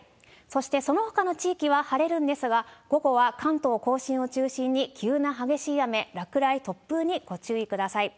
そして、そのほかの地域は晴れるんですが、午後は関東甲信を中心に急な激しい雨、落雷、突風にご注意ください。